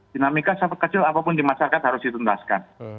dinamika sekecil apapun di masyarakat harus dituntaskan